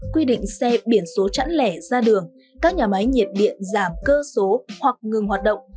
quy định xe biển số chẵn lẻ ra đường các nhà máy nhiệt điện giảm cơ số hoặc ngừng hoạt động